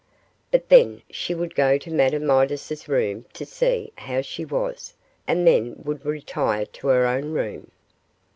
But then she would go to Madame Midas' room to see how she was, and then would retire to her own room.